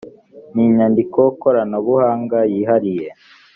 n inyandiko koranabuhanga yihariye